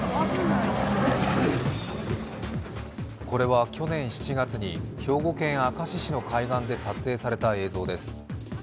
これは去年７月に兵庫県明石市の海上で撮影された映像です。